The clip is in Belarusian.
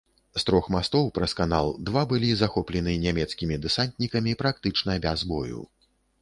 З трох мастоў праз канал два былі захоплены нямецкімі дэсантнікамі практычна без бою.